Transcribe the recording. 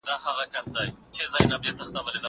زه پرون مېوې وچوم وم!؟